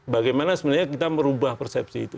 bagaimana sebenarnya kita merubah persepsi itu